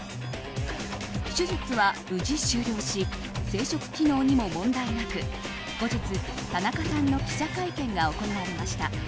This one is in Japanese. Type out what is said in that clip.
手術は無事、終了し生殖機能にも問題なく後日、田中さんの記者会見が行われました。